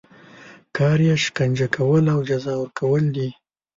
کار یې شکنجه کول او جزا ورکول دي.